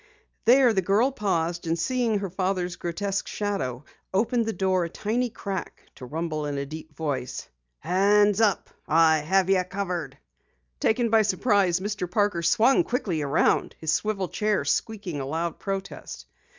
There the girl paused, and seeing her father's grotesque shadow, opened the door a tiny crack, to rumble in a deep voice: "Hands up! I have you covered!" Taken by surprise, Mr. Parker swung quickly around, his swivel chair squeaking a loud protest.